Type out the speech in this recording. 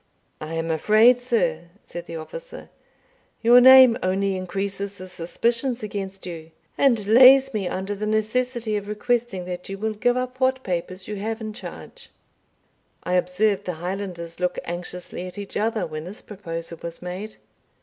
"I am afraid, sir," said the officer, "your name only increases the suspicions against you, and lays me under the necessity of requesting that you will give up what papers you have in charge." I observed the Highlanders look anxiously at each other when this proposal was made.